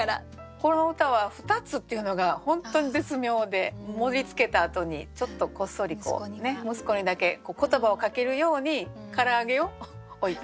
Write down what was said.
この歌は「２つ」っていうのが本当に絶妙で盛りつけたあとにちょっとこっそり息子にだけ言葉をかけるように唐揚げを置いたっていう。